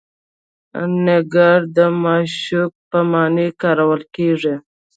نګار د معشوق په معنی کارول کیږي.